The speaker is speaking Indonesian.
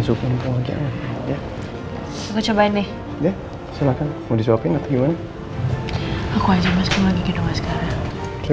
sup untuk coba nih ya silakan mau disuapin atau gimana aku aja masih lagi